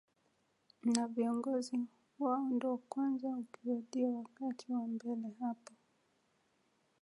na viongozi wao ndio kwanza ukiwajia wakati wa mbele hapo